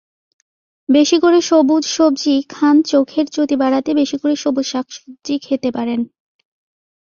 বেশি করে সবুজ সবজি খানচোখের জ্যোতি বাড়াতে বেশি করে সবুজ শাক-সবজি খেতে পারেন।